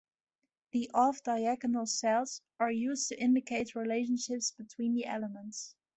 The off-diagonal cells are used to indicate relationships between the elements.